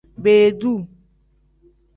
Beeduu.